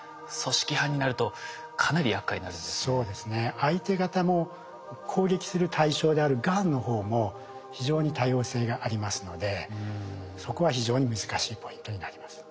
相手方も攻撃する対象であるがんの方も非常に多様性がありますのでそこは非常に難しいポイントになります。